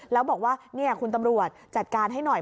แล้วบอกว่าคุณตำรวจจัดการให้หน่อย